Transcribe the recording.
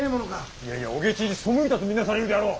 いやいやお下知に背いたと見なされるであろう。